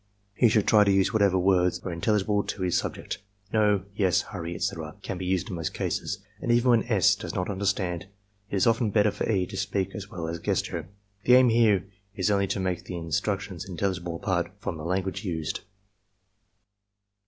He should try to use whatever words are in telligible to his subject. "No," "Yes," "Hurry," etc., can be used in most cases; and even when S. does not understand, it is often better for E. to speak as well as gesture. The aim here is only to make the instructions intelligible apart from the language used.